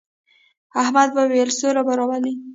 احمد وويل: سوله به راولې.